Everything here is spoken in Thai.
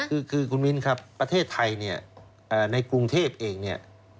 คือคุณมิ้นครับประเทศไทยเนี่ยในกรุงเทพเองเนี่ย